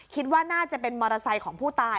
คิดว่าน่าจะเป็นมอเตอร์ไซค์ของผู้ตาย